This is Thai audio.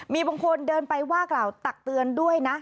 มีบางคนเดินไปว่ากล่าวตักเตือนด้วยนะ